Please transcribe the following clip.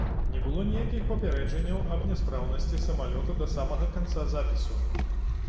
Не было ніякіх папярэджанняў аб няспраўнасці самалёта да самага канца запісу.